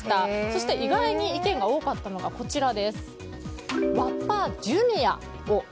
そして意外に意見が多かったのがワッパージュニアを。